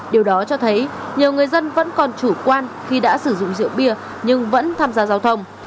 điều đó cho thấy nhiều người dân vẫn còn chủ quan khi đã sử dụng rượu bia nhưng vẫn tham gia giao thông